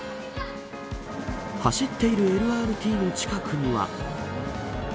走っているＬＲＴの近くには。